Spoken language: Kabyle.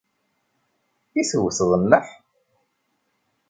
I tewteḍ nneḥ?